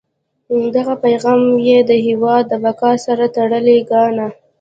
دغه پیغام یې د هیواد د بقا سره تړلی ګاڼه.